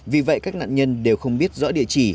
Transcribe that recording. vì vậy các nạn nhân đều không biết rõ địa chỉ